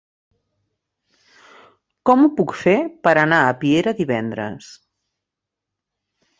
Com ho puc fer per anar a Piera divendres?